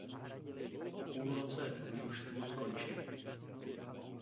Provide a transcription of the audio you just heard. Po půl roce v mužstvu skončil.